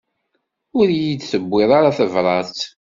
Ur yi-d-tewwiḍ ara tebrat?